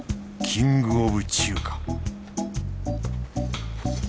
キングオブ中華